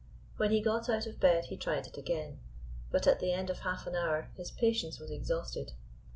When he got out of bed he tried it again. But at the end of half an hour his patience was exhausted.